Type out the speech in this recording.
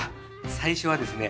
最初はですね